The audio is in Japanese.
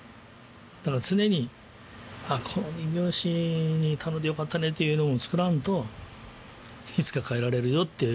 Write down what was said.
だから常にこの人形師に頼んでよかったねというのを作らんといつか変えられるよと。